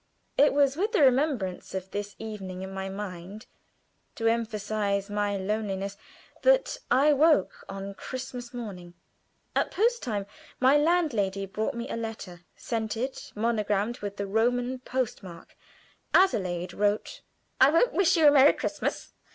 It was with the remembrance of this evening in my mind to emphasize my loneliness that I woke on Christmas morning. At post time my landlady brought me a letter, scented, monogrammed, with the Roman post mark. Adelaide wrote: "I won't wish you a merry Christmas.